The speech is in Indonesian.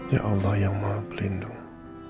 ya allah yang maha pelindung